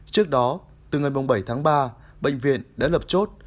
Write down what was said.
trước đó từ ngày bảy tháng ba bệnh viện đã lập chốt